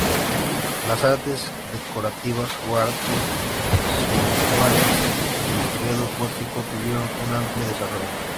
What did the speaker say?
Las artes decorativas o artes suntuarias del periodo gótico tuvieron un amplio desarrollo.